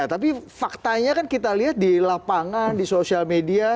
tapi faktanya kan kita lihat di lapangan di sosial media